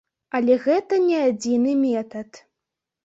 Але гэта не адзіны метад.